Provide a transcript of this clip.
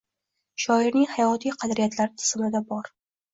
Shoirning hayotiy qadriyatlari tizimida bor.